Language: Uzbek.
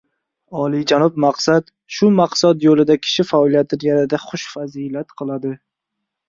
Olijanob maqsad shu maqsad yo‘lida kishi faoliyatini yanada xushfazilat qiladi.